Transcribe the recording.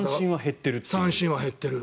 三振は減ってる。